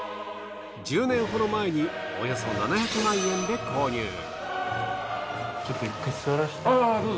１０年ほど前におよそ７００万円で購入。